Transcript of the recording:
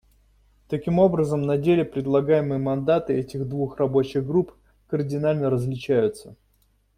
Таким образом, на деле предлагаемые мандаты этих двух рабочих групп кардинально различаются.